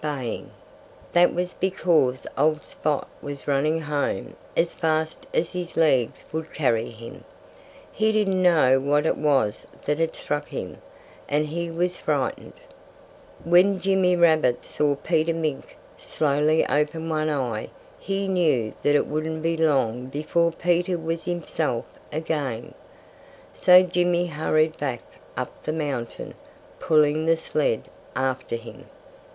[Illustration: JIMMY WENT SAILING THROUGH THE AIR] That was because old Spot was running home as fast as his legs would carry him. He didn't know what it was that had struck him; and he was frightened. When Jimmy Rabbit saw Peter Mink slowly open one eye he knew that it wouldn't be long before Peter was himself again. So Jimmy hurried back up the mountain, pulling the sled after him.